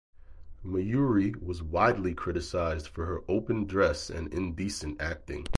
Mayuri was widely criticized for her open dress and indecent acting.